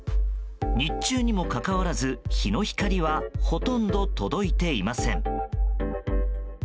日中にもかかわらず日の光はほとんど届いていません。